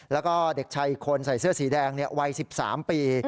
แล้วก็เด็กชายอีกคนใส่เสื้อสีแดงวัย๑๓ปี